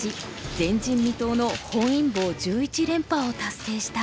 前人未到の本因坊１１連覇を達成した。